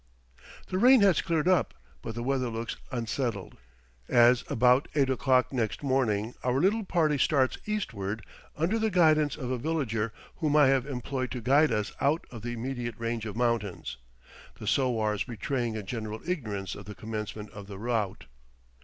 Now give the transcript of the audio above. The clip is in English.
The rain has cleared up, but the weather looks unsettled, as about eight o'clock next morning our little party starts eastward under the guidance of a villager whom I have employed to guide us out of the immediate range of mountains, the sowars betraying a general ignorance of the commencement of the route.